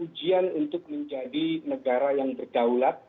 ujian untuk menjadi negara yang berdaulat